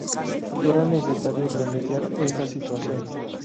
Era necesario remediar esta situación.